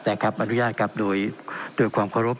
แต่ครับอนุญาตครับโดยความเคารพ